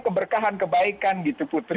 keberkahan kebaikan gitu putri